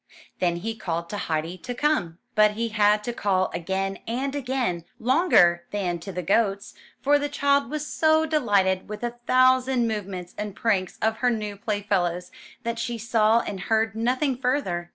Then he called to Heidi to come, but he had to call again and again, longer than to the goats; for the child was so delighted with the thousand move ments and pranks of her new playfellows, that she saw and heard nothing further.